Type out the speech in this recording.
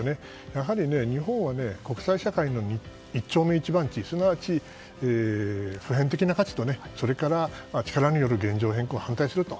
やはり、日本は国際社会の一丁目一番地すなわち普遍的な価値と力による現状変更に反対すると。